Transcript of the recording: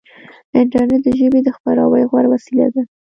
انټرنیټ د ژبې د خپراوي غوره وسیله ده.